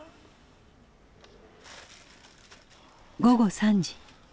午後３時。